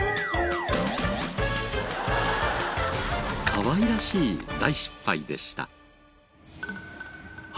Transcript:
かわいらしい大失敗でした。